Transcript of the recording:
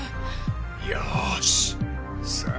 よーしさあ